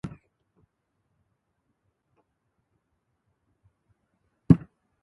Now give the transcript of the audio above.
彼は吾輩の近づくのも一向心付かざるごとく、また心付くも無頓着なるごとく、大きな鼾をして長々と体を横えて眠っている